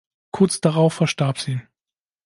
Kurz darauf verstarb sie.